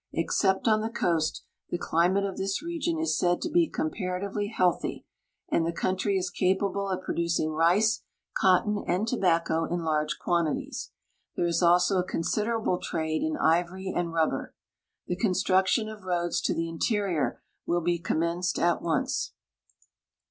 Except on the coast, the cli mate of this region is said to be comparatively healthy, and the country is capable of producing rice, cotton, and tobacco in large quantities. There is also a considerable trade in ivory and rubber. The construction of roads to the interior will be commenced at once.